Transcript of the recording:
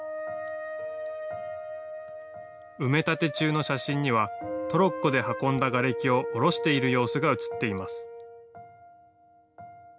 埋め立て中の写真にはトロッコで運んだがれきを降ろしている様子が写っています。